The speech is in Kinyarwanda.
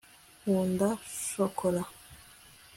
nkunda shokora